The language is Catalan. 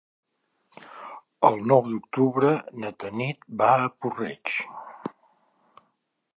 El nou d'octubre na Tanit va a Puig-reig.